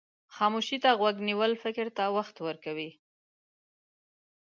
خاموشي ته غوږ نیول فکر ته وخت ورکوي.